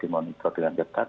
dimonitor dengan dekat